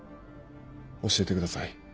教えてください。